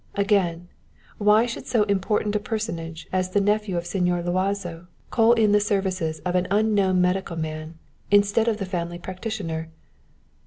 Again, why should so important a personage as the nephew of Señor Luazo call in the services of an unknown medical man, instead of the family practitioner?"